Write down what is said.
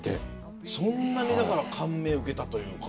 そんなに感銘を受けたというか。